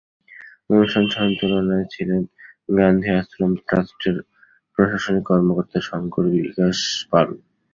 অনুষ্ঠান সঞ্চালনায় ছিলেন গান্ধী আশ্রম ট্রাস্টের প্রশাসনিক কর্মকর্তা শংকর বিকাশ পাল।